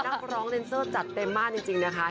นักร้องเลนเซอร์จัดเต็มมากจริงนะคะ